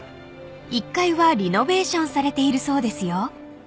［１階はリノベーションされているそうですよ］